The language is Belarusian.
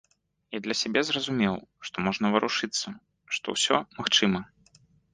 Я для сябе зразумеў, што можна варушыцца, што ўсё магчыма.